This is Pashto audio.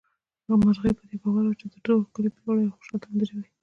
مرغۍ په دې باور وه چې تر ټولو ښکلې، پياوړې او خوشحاله سندرې وايي